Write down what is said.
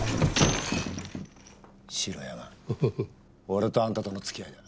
俺とあんたとの付き合いだ。